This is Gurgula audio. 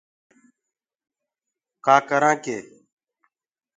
ڪآ ڪرآنٚ ڪي